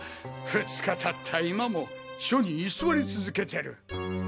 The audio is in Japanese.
２日経った今も署に居座り続けてる。